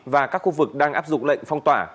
và các khu vực đang áp dụng lệnh phong tỏa